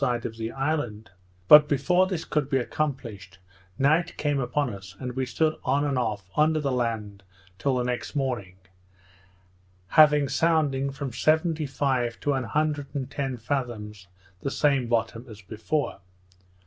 side of the island; but before this could be accomplished, night came upon us, and we stood on and off, under the land, till the next morning; having sounding from seventy five to an hundred and ten fathoms, the same bottom as before.